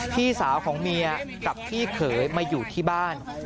พี่สาวของเมียกับพี่เขยมาอยู่ที่บ้าน